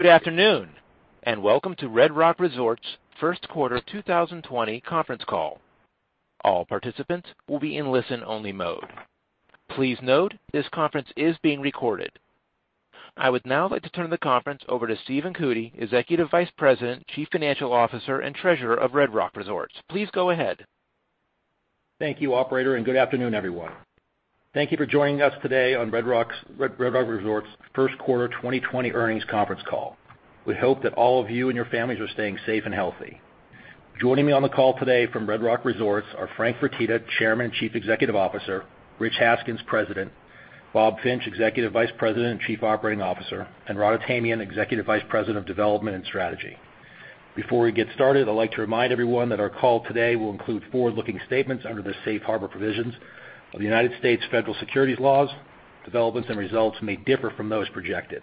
Good afternoon, and welcome to Red Rock Resorts' first quarter 2020 conference call. All participants will be in listen-only mode. Please note, this conference is being recorded. I would now like to turn the conference over to Stephen Cootey, Executive Vice President, Chief Financial Officer, and Treasurer of Red Rock Resorts. Please go ahead. Thank you, operator, and good afternoon, everyone. Thank you for joining us today on Red Rock Resorts' first quarter 2020 earnings conference call. We hope that all of you and your families are staying safe and healthy. Joining me on the call today from Red Rock Resorts are Frank Fertitta, Chairman, Chief Executive Officer, Rich Haskins, President, Bob Finch, Executive Vice President and Chief Operating Officer, and Rod Atamian, Executive Vice President of Development and Strategy. Before we get started, I'd like to remind everyone that our call today will include forward-looking statements under the safe harbor provisions of United States federal securities laws. Developments and results may differ from those projected.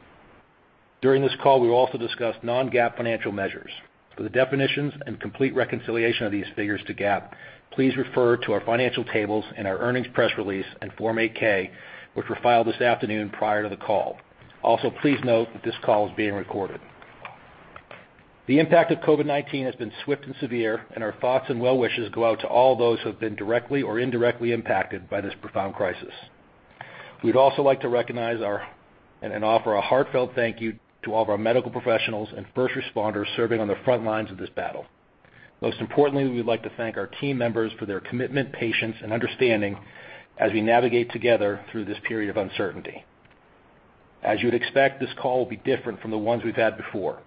During this call, we will also discuss non-GAAP financial measures. For the definitions and complete reconciliation of these figures to GAAP, please refer to our financial tables and our earnings press release, and Form 8-K, which were filed this afternoon prior to the call. Please note that this call is being recorded. The impact of COVID-19 has been swift and severe, and our thoughts and well wishes go out to all those who have been directly or indirectly impacted by this profound crisis. We'd also like to recognize and offer a heartfelt thank you to all of our medical professionals and first responders serving on the front lines of this battle. Most importantly, we would like to thank our team members for their commitment, patience, and understanding as we navigate together through this period of uncertainty. As you would expect, this call will be different from the ones we've had before.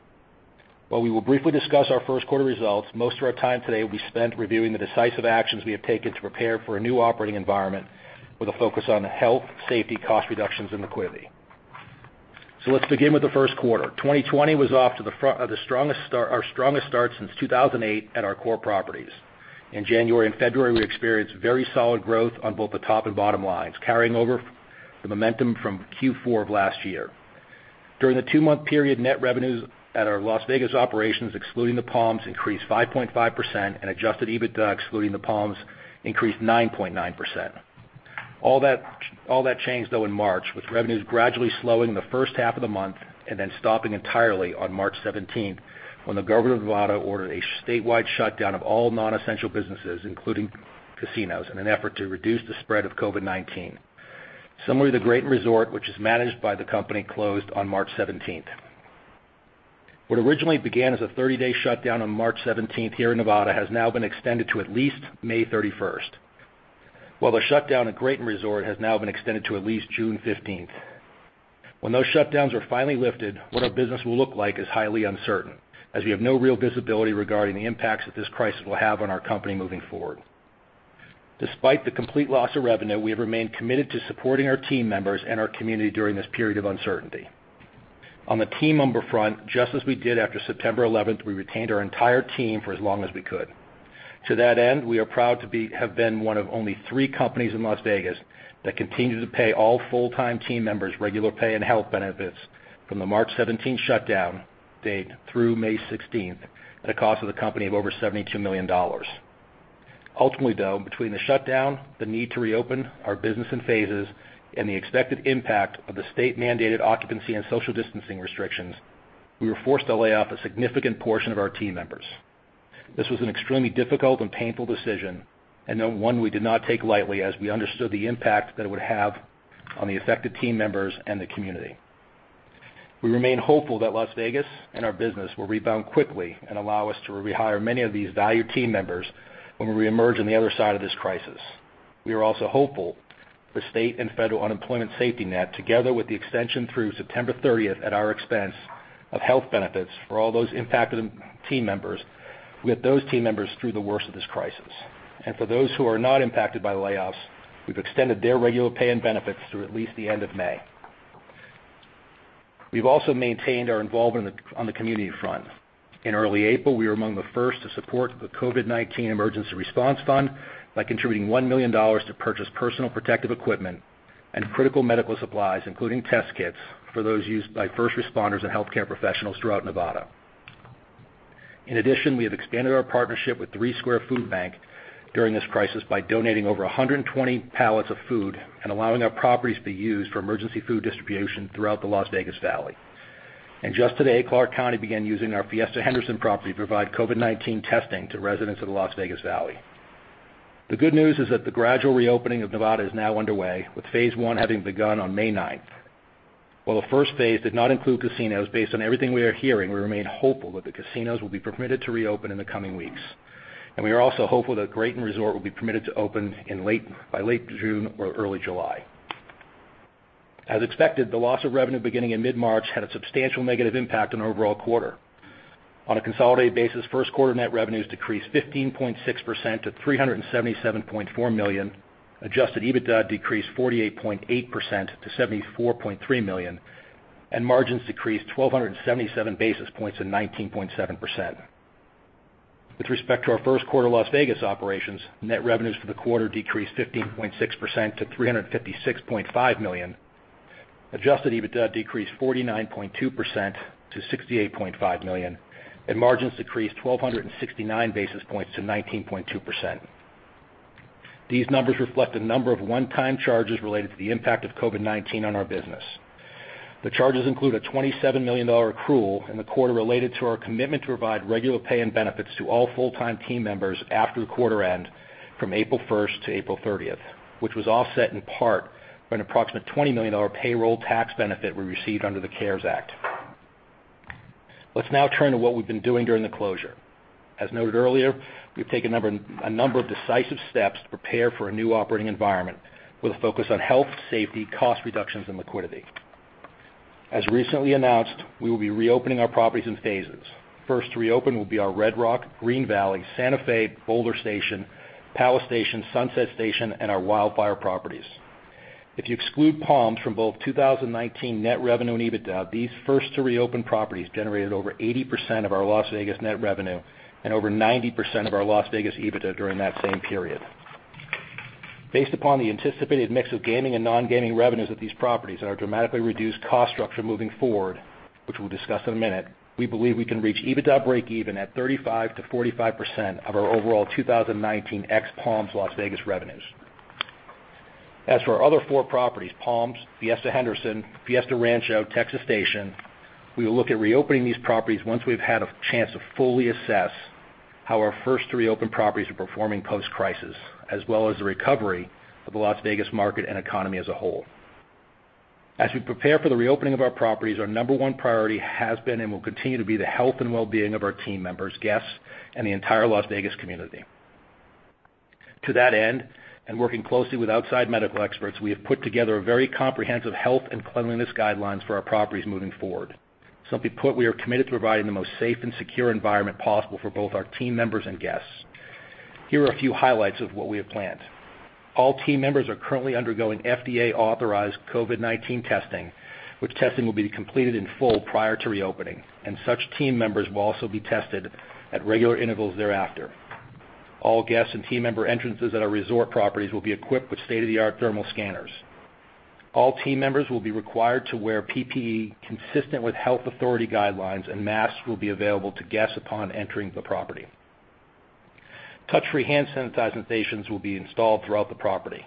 While we will briefly discuss our first quarter results, most of our time today will be spent reviewing the decisive actions we have taken to prepare for a new operating environment with a focus on health, safety, cost reductions, and liquidity. Let's begin with the first quarter. 2020 was off to our strongest start since 2008 at our core properties. In January and February, we experienced very solid growth on both the top and bottom lines, carrying over the momentum from Q4 of last year. During the two-month period, net revenues at our Las Vegas Operations, excluding the Palms, increased 5.5%, and adjusted EBITDA excluding the Palms, increased 9.9%. All that changed, though, in March, with revenues gradually slowing in the first half of the month and then stopping entirely on March 17th, when the government of Nevada ordered a statewide shutdown of all non-essential businesses, including casinos, in an effort to reduce the spread of COVID-19. Similarly, the Graton Resort, which is managed by the company, closed on March 17th. What originally began as a 30-day shutdown on March 17th here in Nevada has now been extended to at least May 31st. While the shutdown at Graton Resort has now been extended to at least June 15th. When those shutdowns are finally lifted, what our business will look like is highly uncertain, as we have no real visibility regarding the impacts that this crisis will have on our company moving forward. Despite the complete loss of revenue, we have remained committed to supporting our team members and our community during this period of uncertainty. On the team member front, just as we did after September 11th, we retained our entire team for as long as we could. To that end, we are proud to have been one of only three companies in Las Vegas that continued to pay all full-time team members regular pay and health benefits from the March 17th shutdown date through May 16th, at a cost to the company of over $72 million. Ultimately, though, between the shutdown, the need to reopen our business in phases, and the expected impact of the state-mandated occupancy and social distancing restrictions, we were forced to lay off a significant portion of our team members. This was an extremely difficult and painful decision, and not one we did not take lightly as we understood the impact that it would have on the affected team members and the community. We remain hopeful that Las Vegas and our business will rebound quickly and allow us to rehire many of these valued team members when we reemerge on the other side of this crisis. We are also hopeful the state and federal unemployment safety net, together with the extension through September 30th at our expense of health benefits for all those impacted team members, will get those team members through the worst of this crisis. For those who are not impacted by the layoffs, we've extended their regular pay and benefits through at least the end of May. We've also maintained our involvement on the community front. In early April, we were among the first to support the Nevada COVID-19 Emergency Response Fund by contributing $1 million to purchase personal protective equipment and critical medical supplies, including test kits, for those used by first responders and healthcare professionals throughout Nevada. In addition, we have expanded our partnership with Three Square Food Bank during this crisis by donating over 120 pallets of food and allowing our properties to be used for emergency food distribution throughout the Las Vegas Valley. Just today, Clark County began using our Fiesta Henderson property to provide COVID-19 testing to residents of the Las Vegas Valley. The good news is that the gradual reopening of Nevada is now underway, with phase 1 having begun on May 9th. While the first phase did not include casinos, based on everything we are hearing, we remain hopeful that the casinos will be permitted to reopen in the coming weeks. We are also hopeful that Graton Resort will be permitted to open by late June or early July. As expected, the loss of revenue beginning in mid-March had a substantial negative impact on our overall quarter. On a consolidated basis, first quarter net revenues decreased 15.6% to $377.4 million, adjusted EBITDA decreased 48.8% to $74.3 million, and margins decreased 1,277 basis points to 19.7%. With respect to our first quarter Las Vegas operations, net revenues for the quarter decreased 15.6% to $356.5 million, adjusted EBITDA decreased 49.2% to $68.5 million, and margins decreased 1,269 basis points to 19.2%. These numbers reflect a number of one-time charges related to the impact of COVID-19 on our business. The charges include a $27 million accrual in the quarter related to our commitment to provide regular pay and benefits to all full-time team members after the quarter end from April 1st to April 30th, which was offset in part by an approximate $20 million payroll tax benefit we received under the CARES Act. Let's now turn to what we've been doing during the closure. As noted earlier, we've taken a number of decisive steps to prepare for a new operating environment with a focus on health, safety, cost reductions, and liquidity. As recently announced, we will be reopening our properties in phases. First to reopen will be our Red Rock, Green Valley, Santa Fe, Boulder Station, Palace Station, Sunset Station, and our Wildfire properties. If you exclude Palms from both 2019 net revenue and EBITDA, these first to reopen properties generated over 80% of our Las Vegas net revenue and over 90% of our Las Vegas EBITDA during that same period. Based upon the anticipated mix of gaming and non-gaming revenues at these properties and our dramatically reduced cost structure moving forward, which we'll discuss in a minute, we believe we can reach EBITDA breakeven at 35%-45% of our overall 2019 ex-Palms Las Vegas revenues. As for our other four properties, Palms, Fiesta Henderson, Fiesta Rancho, Texas Station, we will look at reopening these properties once we've had a chance to fully assess how our first three open properties are performing post-crisis, as well as the recovery of the Las Vegas market and economy as a whole. As we prepare for the reopening of our properties, our number one priority has been and will continue to be the health and wellbeing of our team members, guests, and the entire Las Vegas community. To that end, and working closely with outside medical experts, we have put together a very comprehensive health and cleanliness guidelines for our properties moving forward. Simply put, we are committed to providing the most safe and secure environment possible for both our team members and guests. Here are a few highlights of what we have planned. All team members are currently undergoing FDA-authorized COVID-19 testing, which testing will be completed in full prior to reopening, and such team members will also be tested at regular intervals thereafter. All guests and team member entrances at our resort properties will be equipped with state-of-the-art thermal scanners. All team members will be required to wear PPE consistent with health authority guidelines, and masks will be available to guests upon entering the property. Touch-free hand sanitizing stations will be installed throughout the property.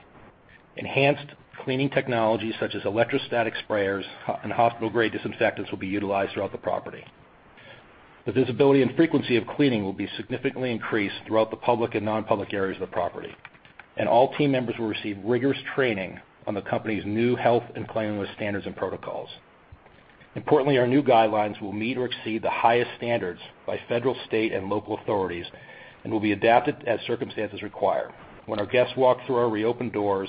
Enhanced cleaning technologies such as electrostatic sprayers and hospital-grade disinfectants will be utilized throughout the property. The visibility and frequency of cleaning will be significantly increased throughout the public and non-public areas of the property, and all team members will receive rigorous training on the company's new health and cleanliness standards and protocols. Importantly, our new guidelines will meet or exceed the highest standards by federal, state, and local authorities and will be adapted as circumstances require. When our guests walk through our reopened doors,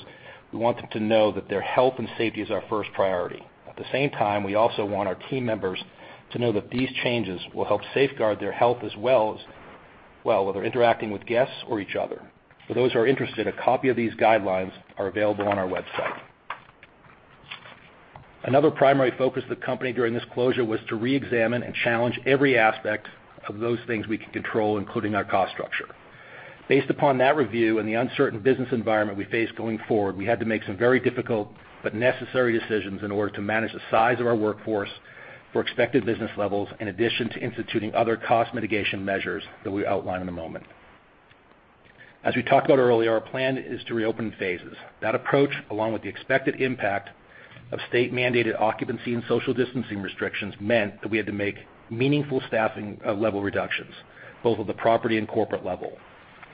we want them to know that their health and safety is our first priority. At the same time, we also want our team members to know that these changes will help safeguard their health as well, whether interacting with guests or each other. For those who are interested, a copy of these guidelines are available on our website. Another primary focus of the company during this closure was to reexamine and challenge every aspect of those things we can control, including our cost structure. Based upon that review and the uncertain business environment we face going forward, we had to make some very difficult but necessary decisions in order to manage the size of our workforce for expected business levels, in addition to instituting other cost mitigation measures that we outline in a moment. As we talked about earlier, our plan is to reopen in phases. That approach, along with the expected impact of state-mandated occupancy and social distancing restrictions, meant that we had to make meaningful staffing level reductions, both at the property and corporate level.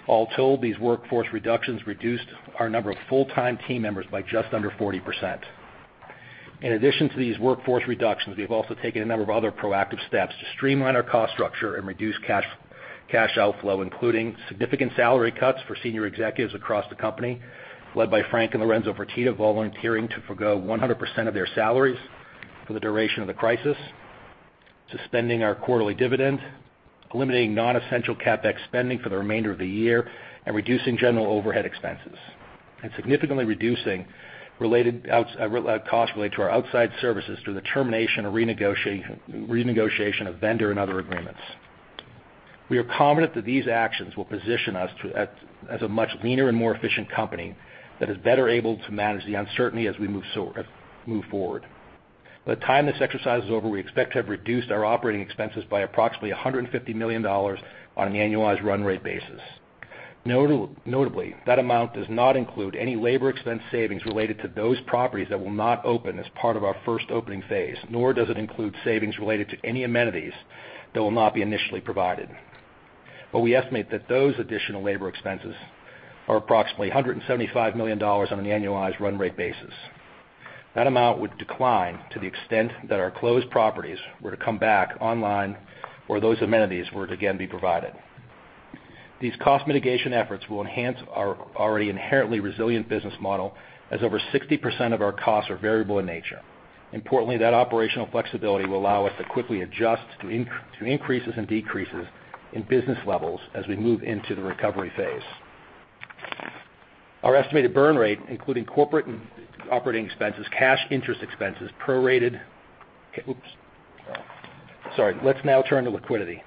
All told, these workforce reductions reduced our number of full-time team members by just under 40%. In addition to these workforce reductions, we have also taken a number of other proactive steps to streamline our cost structure and reduce cash outflow, including significant salary cuts for senior executives across the company, led by Frank and Lorenzo Fertitta volunteering to forgo 100% of their salaries for the duration of the crisis, suspending our quarterly dividend, eliminating non-essential CapEx spending for the remainder of the year, and reducing general overhead expenses, and significantly reducing costs related to our outside services through the termination or renegotiation of vendor and other agreements. We are confident that these actions will position us as a much leaner and more efficient company that is better able to manage the uncertainty as we move forward. By the time this exercise is over, we expect to have reduced our OpEx by approximately $150 million on an annualized run rate basis. Notably, that amount does not include any labor expense savings related to those properties that will not open as part of our first opening phase, nor does it include savings related to any amenities that will not be initially provided. We estimate that those additional labor expenses are approximately $175 million on an annualized run rate basis. That amount would decline to the extent that our closed properties were to come back online, or those amenities were to again be provided. These cost mitigation efforts will enhance our already inherently resilient business model as over 60% of our costs are variable in nature. That operational flexibility will allow us to quickly adjust to increases and decreases in business levels as we move into the recovery phase. Let's now turn to liquidity.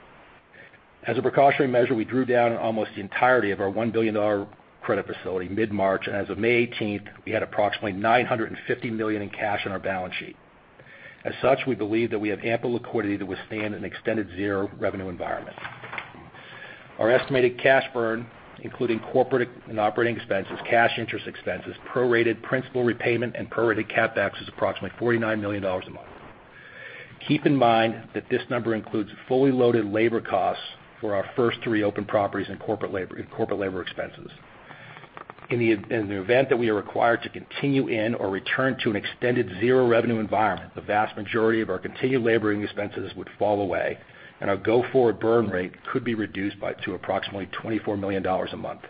As a precautionary measure, we drew down almost the entirety of our $1 billion credit facility mid-March, and as of May 18th, we had approximately $950 million in cash on our balance sheet. We believe that we have ample liquidity to withstand an extended zero-revenue environment. Our estimated cash burn, including corporate and operating expenses, cash interest expenses, prorated principal repayment, and prorated CapEx, is approximately $49 million a month. Keep in mind that this number includes fully loaded labor costs for our first three open properties and corporate labor expenses. In the event that we are required to continue in or return to an extended zero-revenue environment, the vast majority of our continued labor expenses would fall away, and our go-forward burn rate could be reduced to approximately $24 million a month.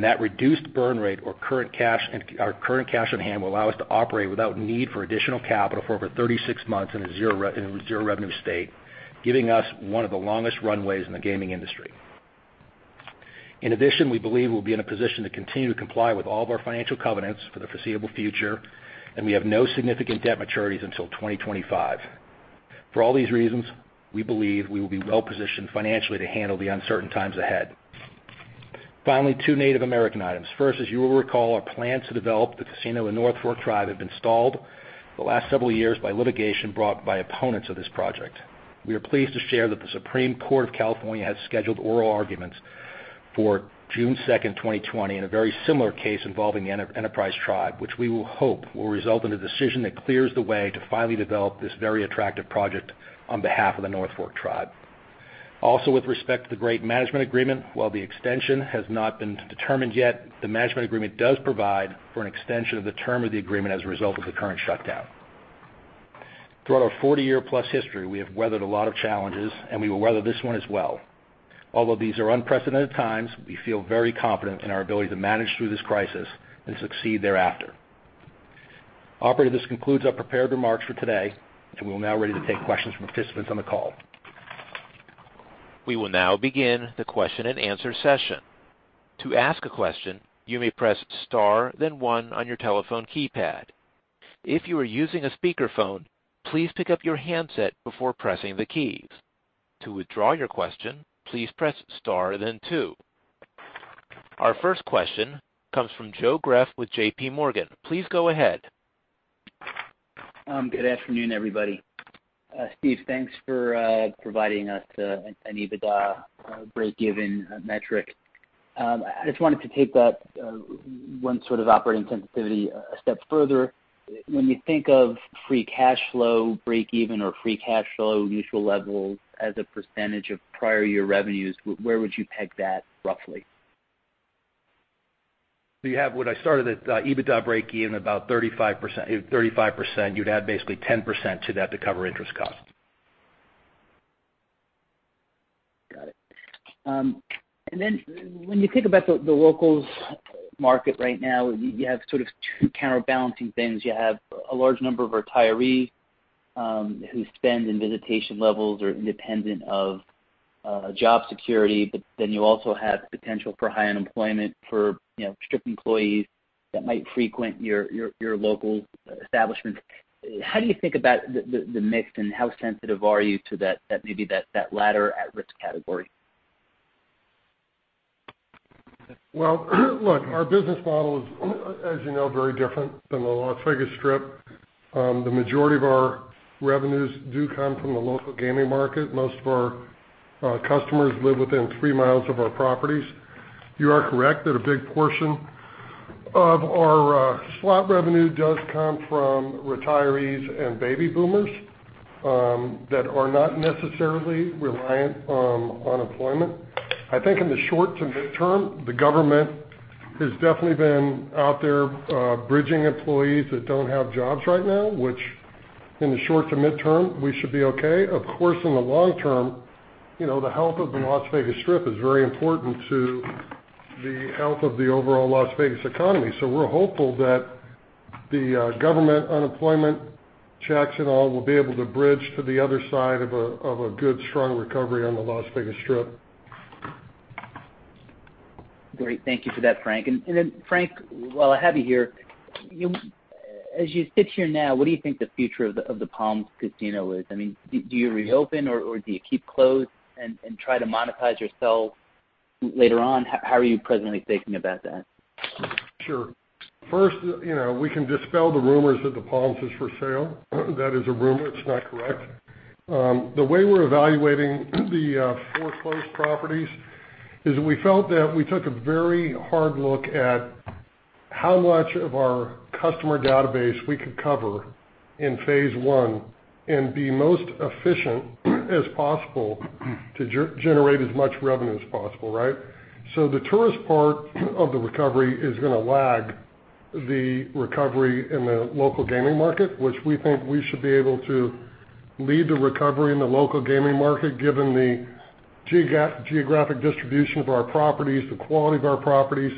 That reduced burn rate or our current cash on hand will allow us to operate without need for additional capital for over 36 months in a zero-revenue state, giving us one of the longest runways in the gaming industry. In addition, we believe we'll be in a position to continue to comply with all of our financial covenants for the foreseeable future, and we have no significant debt maturities until 2025. For all these reasons, we believe we will be well-positioned financially to handle the uncertain times ahead. Finally, two Native American items. First, as you will recall, our plans to develop the casino in North Fork Tribe have been stalled for the last several years by litigation brought by opponents of this project. We are pleased to share that the Supreme Court of California has scheduled oral arguments for June 2nd, 2020, in a very similar case involving the Enterprise Rancheria, which we will hope will result in a decision that clears the way to finally develop this very attractive project on behalf of the North Fork Tribe. Also with respect to the Graton Management Agreement, while the extension has not been determined yet, the management agreement does provide for an extension of the term of the agreement as a result of the current shutdown. Throughout our 40-year plus history, we have weathered a lot of challenges, and we will weather this one as well. Although these are unprecedented times, we feel very confident in our ability to manage through this crisis and succeed thereafter. Operator, this concludes our prepared remarks for today, and we are now ready to take questions from participants on the call. We will now begin the question and answer session. To ask a question, you may press star then one on your telephone keypad. If you are using a speakerphone, please pick up your handset before pressing the keys. To withdraw your question, please press star then two. Our first question comes from Joe Greff with JPMorgan. Please go ahead. Good afternoon, everybody. Stephen, thanks for providing us an EBITDA break-even metric. I just wanted to take that one sort of operating sensitivity a step further. When you think of free cash flow, break-even, or free cash flow usual levels as a percentage of prior year revenues, where would you peg that, roughly? You have what I started at, EBITDA break-even about 35%. You'd add basically 10% to that to cover interest cost. Got it. When you think about the locals market right now, you have sort of two counterbalancing things. You have a large number of retirees who spend, and visitation levels are independent of job security. You also have potential for high unemployment for Strip employees that might frequent your local establishment. How do you think about the mix, and how sensitive are you to that maybe that latter at-risk category? Well, look, our business model is, as you know, very different than the Las Vegas Strip. The majority of our revenues do come from the local gaming market. Most of our customers live within three miles of our properties. You are correct that a big portion of our slot revenue does come from retirees and baby boomers, that are not necessarily reliant on employment. I think in the short to midterm, the government has definitely been out there bridging employees that don't have jobs right now, which in the short to midterm, we should be okay. Of course, in the long term, the health of the Las Vegas Strip is very important to the health of the overall Las Vegas economy. We're hopeful that the government unemployment checks and all will be able to bridge to the other side of a good, strong recovery on the Las Vegas Strip. Great. Thank you for that, Frank. Frank, while I have you here, as you sit here now, what do you think the future of the Palms Casino is? Do you reopen or do you keep closed and try to monetize yourselves later on? How are you presently thinking about that? Sure. First, we can dispel the rumors that the Palms is for sale. That is a rumor. It's not correct. The way we're evaluating the four closed properties is that we felt that we took a very hard look at how much of our customer database we could cover in phase 1 and be most efficient as possible to generate as much revenue as possible, right? The tourist part of the recovery is going to lag the recovery in the local gaming market, which we think we should be able to lead the recovery in the local gaming market, given the geographic distribution of our properties, the quality of our properties,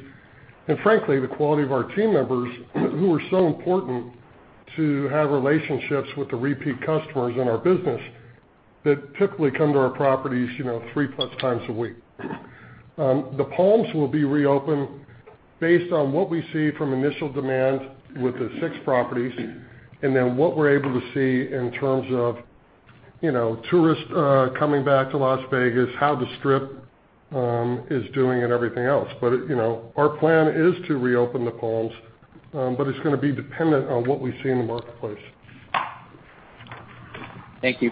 and frankly, the quality of our team members who are so important to have relationships with the repeat customers in our business that typically come to our properties three-plus times a week. The Palms will be reopened based on what we see from initial demand with the six properties, and then what we're able to see in terms of tourists coming back to Las Vegas, how the Strip is doing and everything else. Our plan is to reopen the Palms, but it's going to be dependent on what we see in the marketplace. Thank you.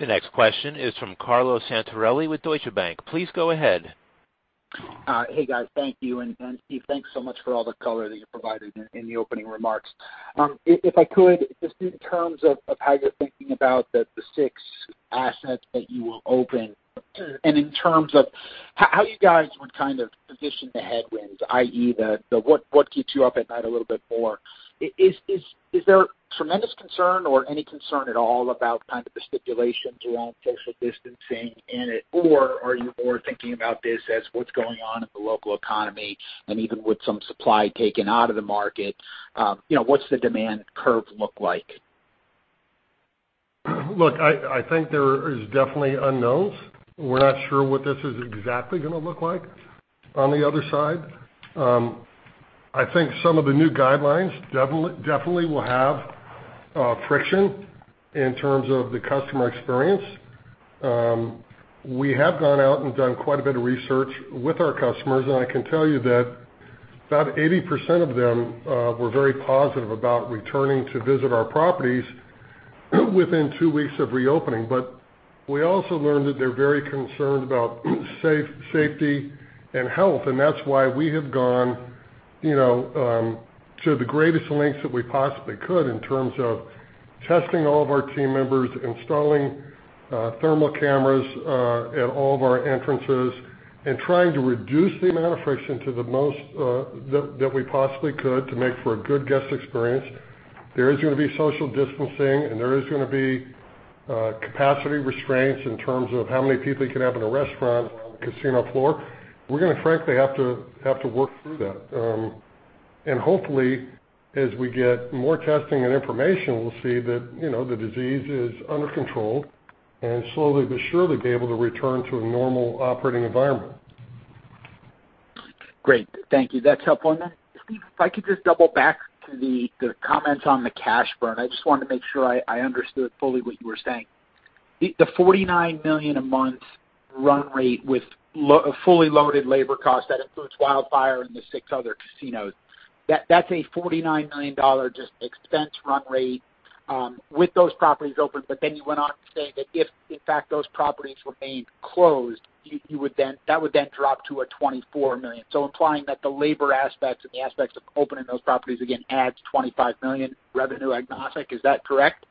The next question is from Carlo Santarelli with Deutsche Bank. Please go ahead. Hey, guys. Thank you. Stephen, thanks so much for all the color that you provided in the opening remarks. If I could, just in terms of how you're thinking about the six assets that you will open, and in terms of how you guys would position the headwinds, i.e., what keeps you up at night a little bit more? Is there tremendous concern or any concern at all about the stipulations around social distancing in it? Or are you more thinking about this as what's going on in the local economy, and even with some supply taken out of the market, what's the demand curve look like? Look, I think there is definitely unknowns. We're not sure what this is exactly going to look like on the other side. I think some of the new guidelines definitely will have friction in terms of the customer experience. We have gone out and done quite a bit of research with our customers, and I can tell you that about 80% of them were very positive about returning to visit our properties within two weeks of reopening. We also learned that they're very concerned about safety and health, and that's why we have gone to the greatest lengths that we possibly could in terms of testing all of our team members, installing thermal cameras at all of our entrances, and trying to reduce the amount of friction to the most that we possibly could to make for a good guest experience. There is going to be social distancing, and there is going to be capacity restraints in terms of how many people you can have in a restaurant or on the casino floor. We're going to frankly have to work through that. Hopefully, as we get more testing and information, we'll see that the disease is under control and slowly but surely be able to return to a normal operating environment. Great. Thank you. That's helpful. Steve, if I could just double back to the comments on the cash burn. I just wanted to make sure I understood fully what you were saying. The $49 million a month run rate with a fully loaded labor cost, that includes Wildfire and the six other casinos. That's a $49 million just expense run rate with those properties open. You went on to say that if in fact those properties remained closed, that would then drop to a $24 million. Implying that the labor aspects and the aspects of opening those properties again adds $25 million revenue agnostic. Is that correct?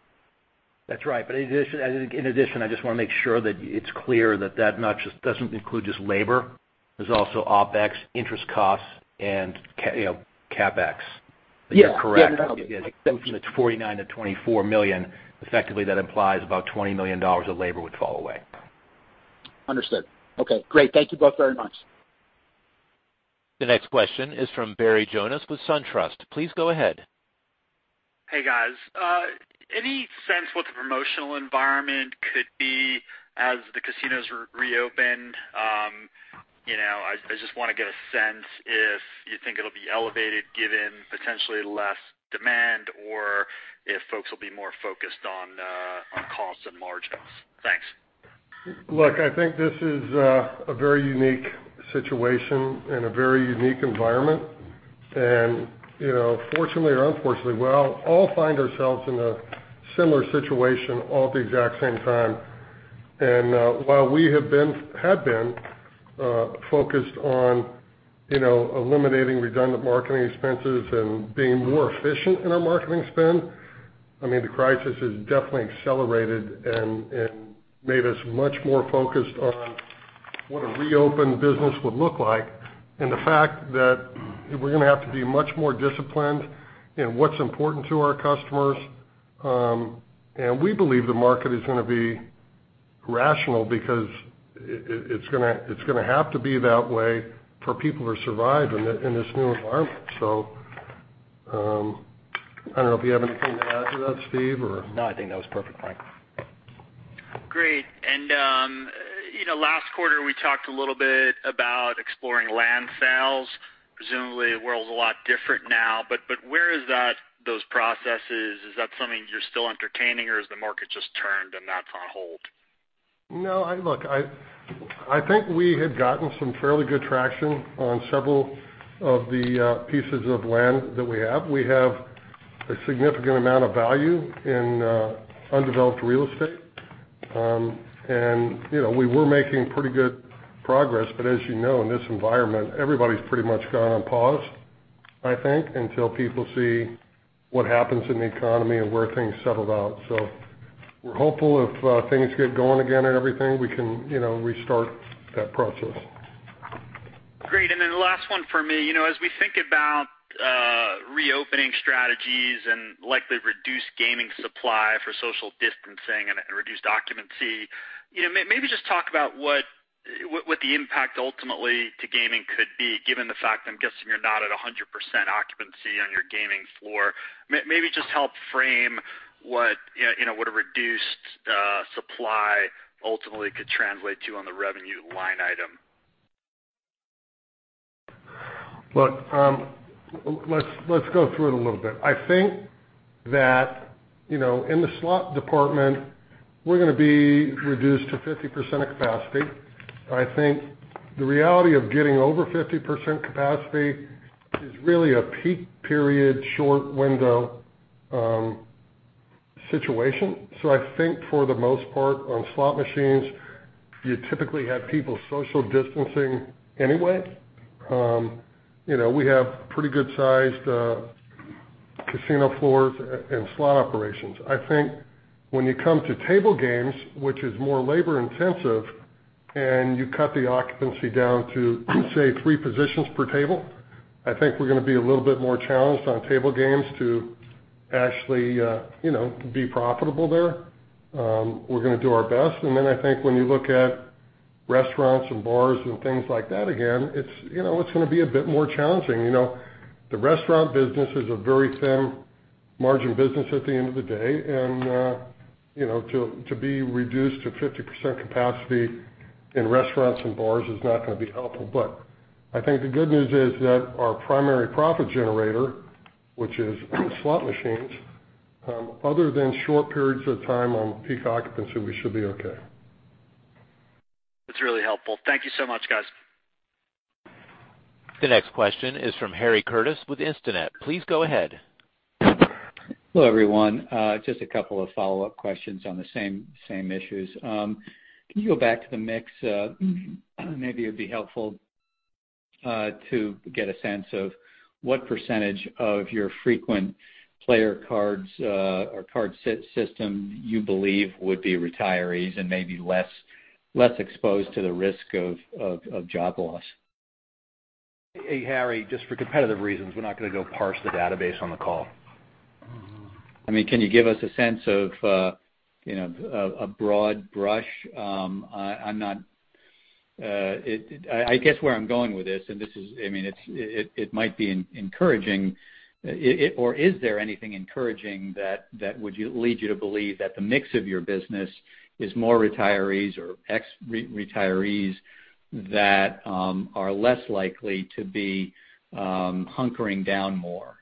That's right. In addition, I just want to make sure that it's clear that that doesn't include just labor. There's also OpEx, interest costs and CapEx. Yeah. You're correct. Yeah, no. From the $49 million-$24 million, effectively, that implies about $20 million of labor would fall away. Understood. Okay, great. Thank you both very much. The next question is from Barry Jonas with Truist Securities. Please go ahead. Hey, guys. Any sense what the promotional environment could be as the casinos reopen? I just want to get a sense if you think it'll be elevated given potentially less demand, or if folks will be more focused on costs and margins. Thanks. Look, I think this is a very unique situation and a very unique environment. Fortunately or unfortunately, we all find ourselves in a similar situation all at the exact same time. While we have been focused on eliminating redundant marketing expenses and being more efficient in our marketing spend, I mean, the crisis has definitely accelerated and made us much more focused on what a reopened business would look like, and the fact that we're going to have to be much more disciplined in what's important to our customers. We believe the market is going to be rational because it's going to have to be that way for people to survive in this new environment. I don't know if you have anything to add to that, Steve, or- No, I think that was perfect, Frank. Great. Last quarter, we talked a little bit about exploring land sales. Presumably, the world's a lot different now, but where is those processes? Is that something you're still entertaining, or has the market just turned and that's on hold? No, look, I think we had gotten some fairly good traction on several of the pieces of land that we have. We have a significant amount of value in undeveloped real estate. We were making pretty good progress, but as you know, in this environment, everybody's pretty much gone on pause, I think, until people see what happens in the economy and where things settled out. We're hopeful if things get going again and everything, we can restart that process. Great. Last one for me. As we think about reopening strategies and likely reduced gaming supply for social distancing and reduced occupancy, maybe just talk about what the impact ultimately to gaming could be given the fact I'm guessing you're not at 100% occupancy on your gaming floor. Maybe just help frame what a reduced supply ultimately could translate to on the revenue line item. Look, let's go through it a little bit. I think that in the slot department, we're going to be reduced to 50% of capacity. I think the reality of getting over 50% capacity is really a peak period short window situation. I think for the most part on slot machines, you typically have people social distancing anyway. We have pretty good-sized casino floors and slot operations. I think when you come to table games, which is more labor-intensive, and you cut the occupancy down to, say, three positions per table, I think we're going to be a little bit more challenged on table games to actually be profitable there. We're going to do our best. I think when you look at restaurants and bars and things like that, again, it's going to be a bit more challenging. The restaurant business is a very thin margin business at the end of the day, and to be reduced to 50% capacity in restaurants and bars is not going to be helpful. I think the good news is that our primary profit generator, which is slot machines, other than short periods of time on peak occupancy, we should be okay. That's really helpful. Thank you so much, guys. The next question is from Harry Curtis with Instinet. Please go ahead. Hello, everyone. Just a couple of follow-up questions on the same issues. Can you go back to the mix? Maybe it'd be helpful to get a sense of what % of your frequent player cards or card system you believe would be retirees and may be less exposed to the risk of job loss. Hey, Harry, just for competitive reasons, we're not going to go parse the database on the call. I mean, can you give us a sense of a broad brush? I guess where I'm going with this, and it might be encouraging, or is there anything encouraging that would lead you to believe that the mix of your business is more retirees or ex-retirees that are less likely to be hunkering down more?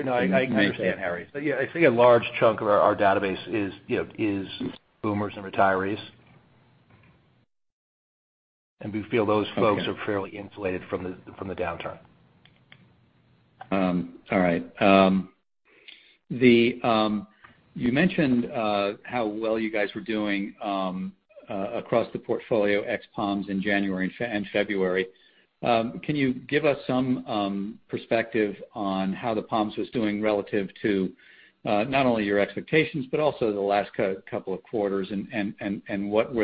No, I understand, Harry. Yeah, I think a large chunk of our database is boomers and retirees, and we feel those folks are fairly insulated from the downturn. All right. You mentioned how well you guys were doing across the portfolio ex-Palms in January and February. Can you give us some perspective on how the Palms was doing relative to not only your expectations, but also the last couple of quarters and what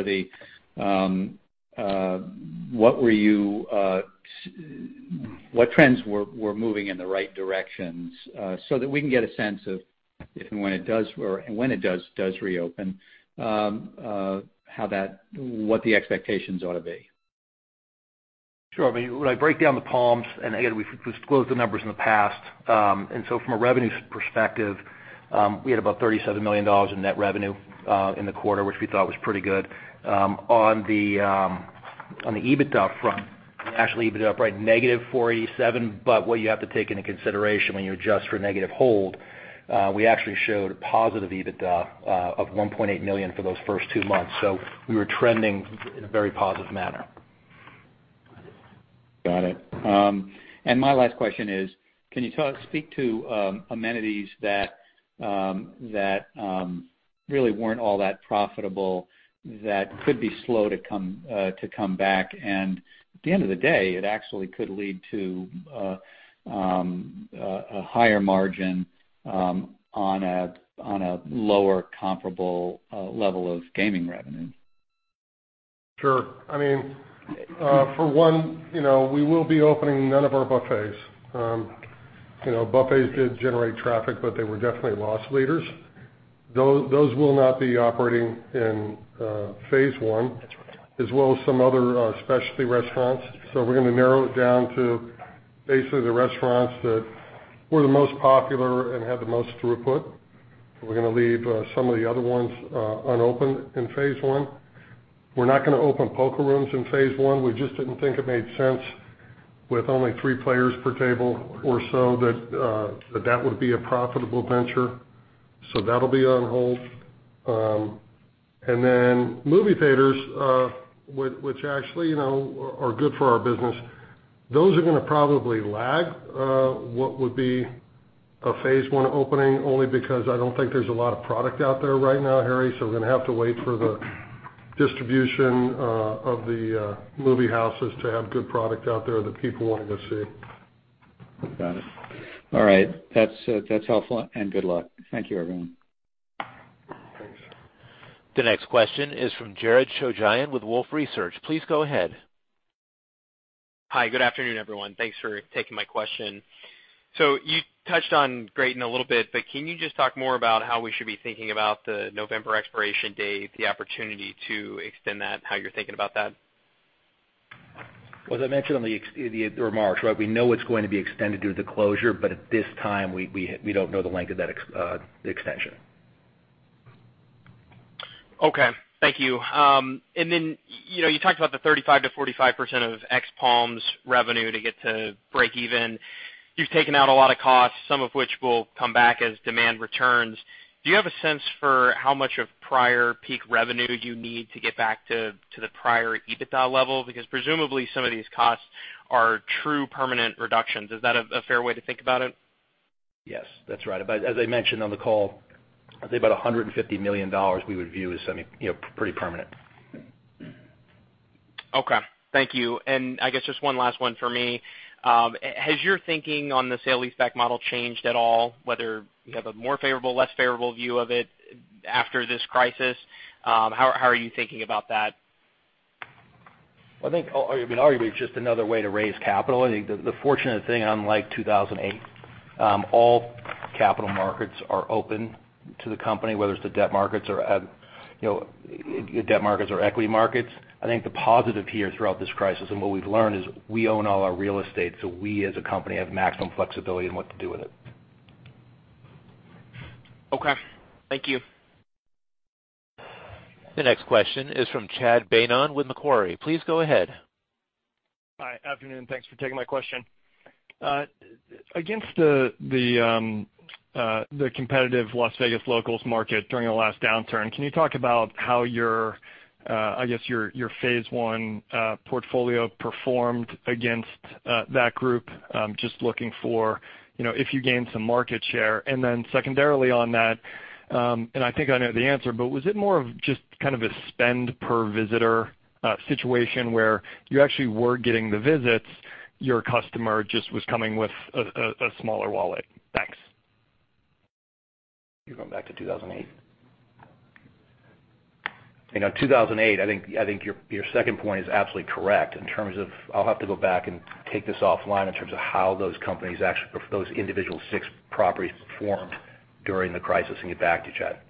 trends were moving in the right directions so that we can get a sense of if and when it does reopen, what the expectations ought to be? Sure. When I break down the Palms, we've disclosed the numbers in the past. From a revenue perspective, we had about $37 million in net revenue in the quarter, which we thought was pretty good. On the EBITDA front, we actually ended up right negative $487, what you have to take into consideration when you adjust for negative hold, we actually showed a positive EBITDA of $1.8 million for those first two months. We were trending in a very positive manner. Got it. My last question is, can you speak to amenities that really weren't all that profitable that could be slow to come back, and at the end of the day, it actually could lead to a higher margin on a lower comparable level of gaming revenue? Sure. For one, we will be opening none of our buffets. Buffets did generate traffic, but they were definitely loss leaders. Those will not be operating in phase one, as well as some other specialty restaurants. We're going to narrow it down to basically the restaurants that were the most popular and had the most throughput. We're going to leave some of the other ones unopened in phase one. We're not going to open poker rooms in phase one. We just didn't think it made sense with only three players per table or so that that would be a profitable venture. That'll be on hold. Movie theaters, which actually are good for our business, those are going to probably lag what would be a phase one opening, only because I don't think there's a lot of product out there right now, Harry, we're going to have to wait for the distribution of the movie houses to have good product out there that people want to go see. Got it. All right. That's helpful, and good luck. Thank you, everyone. Thanks. The next question is from Jared Shojaian with Wolfe Research. Please go ahead. Hi, good afternoon, everyone. Thanks for taking my question. You touched on Graton a little bit, but can you just talk more about how we should be thinking about the November expiration date, the opportunity to extend that, how you're thinking about that? Well, as I mentioned on the remarks, right, we know it's going to be extended due to closure, but at this time, we don't know the length of that extension. Okay. Thank you. You talked about the 35%-45% of ex-Palms revenue to get to break even. You've taken out a lot of costs, some of which will come back as demand returns. Do you have a sense for how much of prior peak revenue you need to get back to the prior EBITDA level? Presumably some of these costs are true permanent reductions. Is that a fair way to think about it? Yes, that's right. As I mentioned on the call, I'd say about $150 million we would view as pretty permanent. Okay. Thank you. I guess just one last one for me. Has your thinking on the sale leaseback model changed at all, whether you have a more favorable, less favorable view of it after this crisis? How are you thinking about that? I think, arguably, it's just another way to raise capital. I think the fortunate thing, unlike 2008, all capital markets are open to the company, whether it's the debt markets or equity markets. I think the positive here throughout this crisis and what we've learned is we own all our real estate. We as a company have maximum flexibility in what to do with it. Okay. Thank you. The next question is from Chad Beynon with Macquarie. Please go ahead. Hi. Afternoon. Thanks for taking my question. Against the competitive Las Vegas locals market during the last downturn, can you talk about how your phase one portfolio performed against that group? Just looking for if you gained some market share. Secondarily on that, and I think I know the answer, but was it more of just a spend per visitor situation where you actually were getting the visits, your customer just was coming with a smaller wallet? Thanks. You're going back to 2008. In 2008, I think your second point is absolutely correct in terms of, I'll have to go back and take this offline in terms of how those individual six properties performed during the crisis and get back to you, Chad.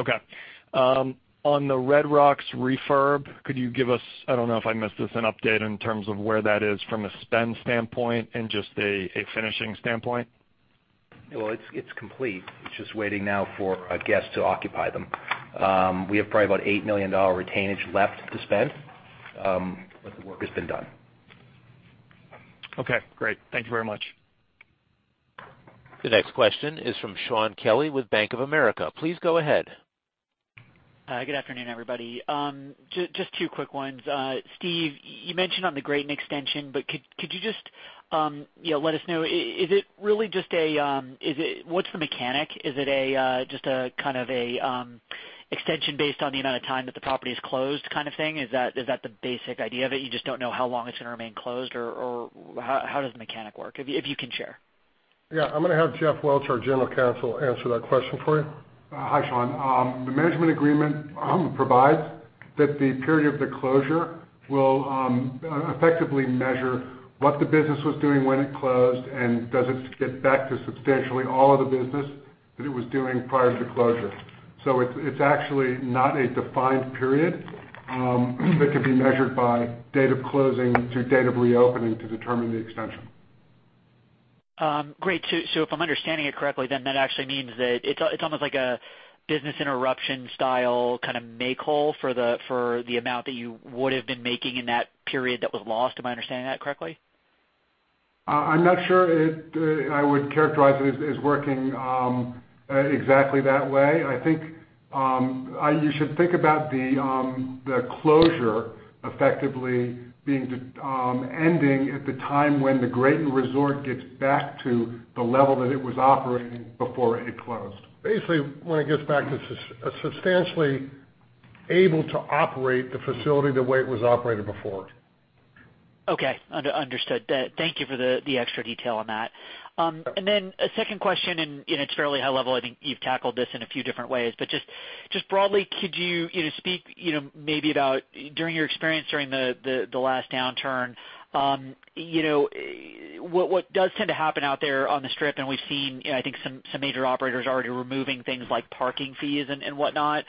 Okay. On the Red Rock's refurb, could you give us, I don't know if I missed this, an update in terms of where that is from a spend standpoint and just a finishing standpoint? Well, it's complete. It's just waiting now for guests to occupy them. We have probably about $8 million retainage left to spend, but the work has been done. Okay, great. Thank you very much. The next question is from Shaun Kelley with Bank of America. Please go ahead. Good afternoon, everybody. Just two quick ones. Stephen, you mentioned on the Graton extension, could you just let us know, what's the mechanic? Is it just a kind of extension based on the amount of time that the property is closed kind of thing? Is that the basic idea of it? You just don't know how long it's going to remain closed, or how does the mechanic work, if you can share? I'm going to have Jeff Welch, our General Counsel, answer that question for you. Hi, Shaun. The management agreement provides that the period of the closure will effectively measure what the business was doing when it closed and does it get back to substantially all of the business that it was doing prior to closure. It's actually not a defined period that can be measured by date of closing to date of reopening to determine the extension. Great. If I'm understanding it correctly, then that actually means that it's almost like a business interruption style kind of make whole for the amount that you would have been making in that period that was lost. Am I understanding that correctly? I'm not sure I would characterize it as working exactly that way. I think you should think about the closure effectively ending at the time when the Graton Resort gets back to the level that it was operating before it closed. Basically, when it gets back to substantially able to operate the facility the way it was operated before. Okay. Understood. Thank you for the extra detail on that. Sure. Then a second question, and it's fairly high level. I think you've tackled this in a few different ways, but just broadly, could you speak maybe about during your experience during the last downturn, what does tend to happen out there on the Strip, and we've seen, I think, some major operators already removing things like parking fees and whatnot.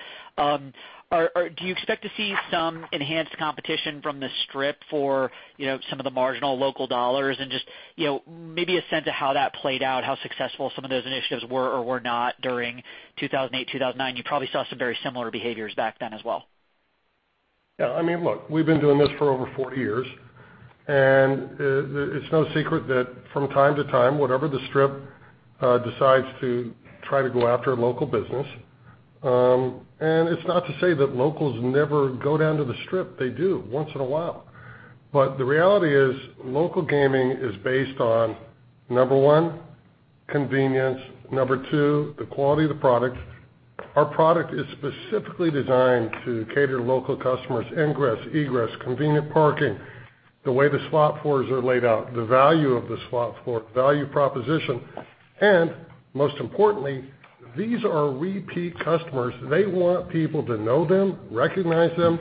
Do you expect to see some enhanced competition from the Strip for some of the marginal local dollars and just maybe a sense of how that played out, how successful some of those initiatives were or were not during 2008, 2009? You probably saw some very similar behaviors back then as well. Yeah. Look, we've been doing this for over 40 years. It's no secret that from time to time, whatever the Strip decides to try to go after local business. It's not to say that locals never go down to the Strip. They do once in a while. The reality is local gaming is based on, number 1, convenience, number 2, the quality of the product. Our product is specifically designed to cater to local customers. Ingress, egress, convenient parking, the way the slot floors are laid out, the value of the slot floor, value proposition, and most importantly, these are repeat customers. They want people to know them, recognize them,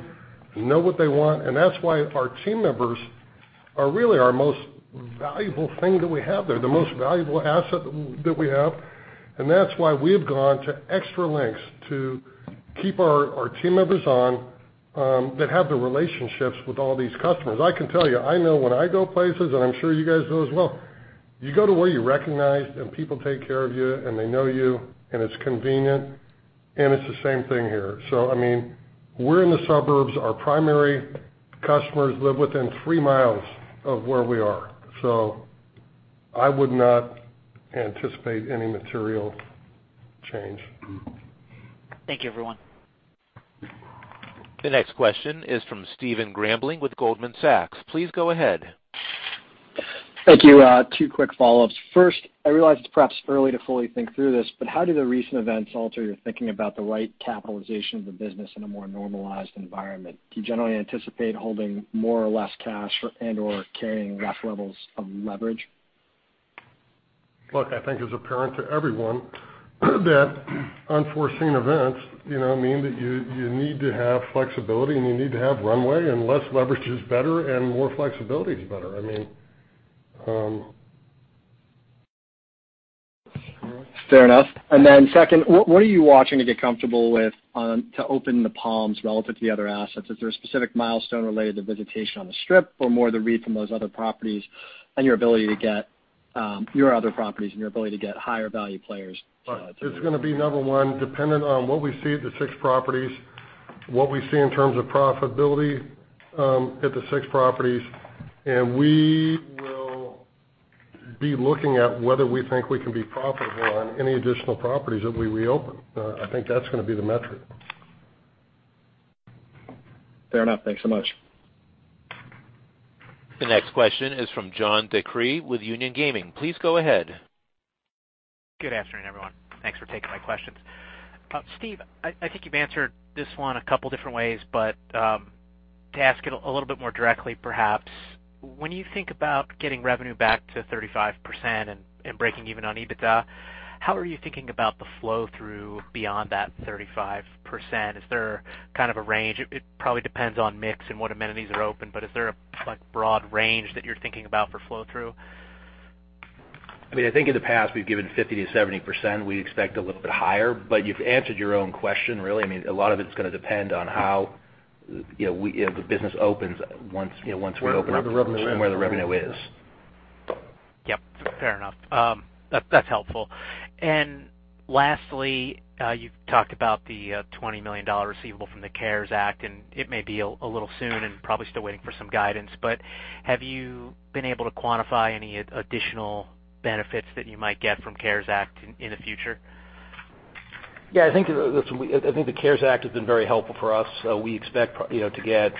know what they want, and that's why our team members are really our most valuable thing that we have there, the most valuable asset that we have, and that's why we have gone to extra lengths to keep our team members on that have the relationships with all these customers. I can tell you, I know when I go places, and I'm sure you guys know as well. You go to where you're recognized, and people take care of you, and they know you, and it's convenient. It's the same thing here. We're in the suburbs. Our primary customers live within three miles of where we are. I would not anticipate any material change. Thank you, everyone. The next question is from Stephen Grambling with Goldman Sachs. Please go ahead. Thank you. Two quick follow-ups. First, I realize it's perhaps early to fully think through this, but how do the recent events alter your thinking about the right capitalization of the business in a more normalized environment? Do you generally anticipate holding more or less cash and/or carrying less levels of leverage? Look, I think it's apparent to everyone that unforeseen events mean that you need to have flexibility and you need to have runway, and less leverage is better, and more flexibility is better. Fair enough. Second, what are you watching to get comfortable with to open the Palms relative to the other assets? Is there a specific milestone related to visitation on the Strip or more of the read from those other properties and your ability to get higher value players? It's going to be, number 1, dependent on what we see at the six properties, what we see in terms of profitability at the six properties, and we will be looking at whether we think we can be profitable on any additional properties that we reopen. I think that's going to be the metric. Fair enough. Thanks so much. The next question is from John DeCree with Union Gaming. Please go ahead. Good afternoon, everyone. Thanks for taking my questions. Steve, I think you've answered this one a couple different ways, but to ask it a little bit more directly, perhaps, when you think about getting revenue back to 35% and breaking even on EBITDA, how are you thinking about the flow-through beyond that 35%? Is there a range? It probably depends on mix and what amenities are open, but is there a broad range that you're thinking about for flow-through? I think in the past, we've given 50%-70%. We expect a little bit higher. You've answered your own question, really. A lot of it's going to depend on how the business opens once we open. Where the revenue is. Where the revenue is. Yep, fair enough. That's helpful. Lastly, you've talked about the $20 million receivable from the CARES Act, and it may be a little soon and probably still waiting for some guidance, but have you been able to quantify any additional benefits that you might get from CARES Act in the future? Yeah, I think the CARES Act has been very helpful for us. We expect to get,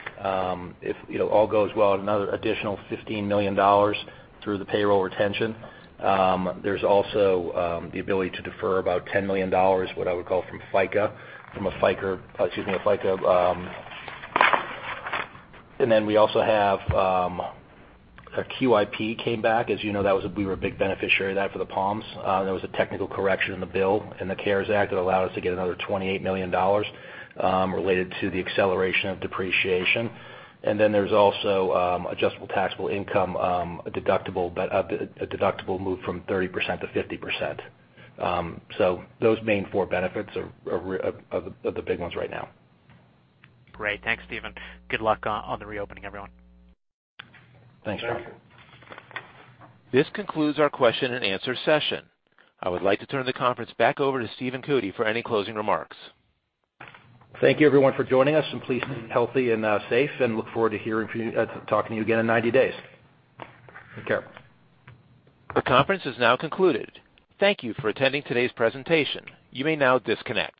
if all goes well, another additional $15 million through the payroll retention. There's also the ability to defer about $10 million, what I would call from FICA. Then we also have a QIP came back. As you know, we were a big beneficiary of that for the Palms. There was a technical correction in the bill in the CARES Act that allowed us to get another $28 million related to the acceleration of depreciation. Then there's also adjusted taxable income, a deductible move from 30% to 50%. Those main four benefits are the big ones right now. Great. Thanks, Stephen. Good luck on the reopening, everyone. Thanks, John. Thank you. This concludes our question and answer session. I would like to turn the conference back over to Stephen Cootey for any closing remarks. Thank you, everyone, for joining us. Please stay healthy and safe, and look forward to talking to you again in 90 days. Take care. The conference is now concluded. Thank you for attending today's presentation. You may now disconnect.